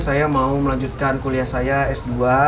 saya mau melanjutkan kuliah saya s dua